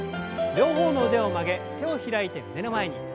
両方の腕を曲げ手を開いて胸の前に。